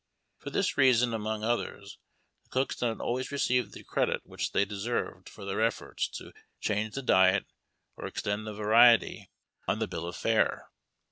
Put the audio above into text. For this reason among others the cooks did not always receive the credit which they deserved for their efforts to change the diet or extend the variety on the 132 lIAHn TACK AND COFFEE. bill of fare.